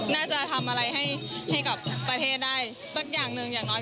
น่าจะทำอะไรให้กับประเทศได้สักอย่างหนึ่งอย่างน้อย